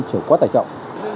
trở quá tài trọng